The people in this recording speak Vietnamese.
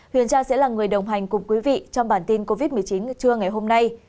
huyền tra sẽ là người đồng hành cùng quý vị trong bản tin covid một mươi chín trưa ngày hôm nay